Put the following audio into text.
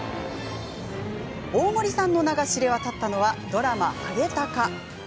大森さんの名前が知れ渡ったのはドラマ「ハゲタカ」。